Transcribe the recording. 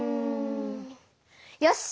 よし！